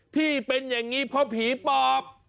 ที่เป็นอย่างนี้เพราะผีปอบ